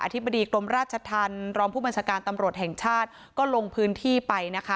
ธิบดีกรมราชธรรมรองผู้บัญชาการตำรวจแห่งชาติก็ลงพื้นที่ไปนะคะ